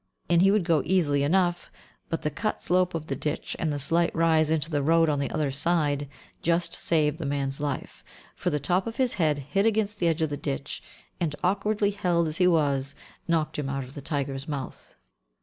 In he would go easily enough, but the cut slope of the ditch and the slight rise into the road on the other side just saved the man's life, for the top of his head hit against the edge of the ditch, and, awkwardly held as he was, knocked him out of the tiger's mouth.